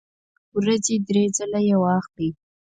ورځې درې ځله یی واخلئ